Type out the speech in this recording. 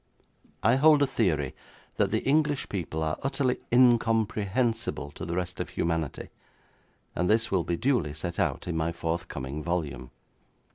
I hold a theory that the English people are utterly incomprehensible to the rest of humanity, and this will be duly set out in my forthcoming volume.